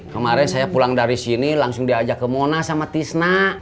kemaren saya pulang dari sini langsung diajak ke monas sama tisnak